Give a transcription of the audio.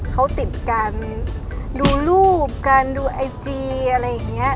เขาติดการดูรูปการดูไอจีอะไรอย่างนี้